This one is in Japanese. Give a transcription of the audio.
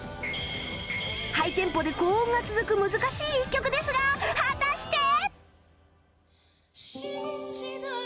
ハイテンポで高音が続く難しい１曲ですが果たして！？